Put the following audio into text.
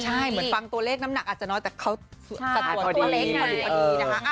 ใช่เหมือนฟังตัวเลขน้ำหนักอาจจะน้อยแต่เขาตัวเล็กพอดีนะคะ